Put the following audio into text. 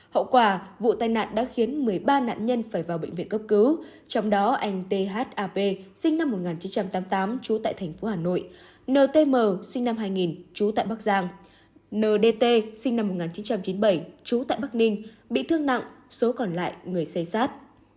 hậu quả vụ tai nạn đã khiến một mươi ba nạn nhân phải vào bệnh viện cấp cứu trong đó anh thap sinh năm một nghìn chín trăm tám mươi tám trú tại thành phố hà nội ntm sinh năm hai nghìn trú tại bắc giang ndt sinh năm một nghìn chín trăm chín mươi bảy trú tại bắc ninh bị thương nặng số còn lại người xây sát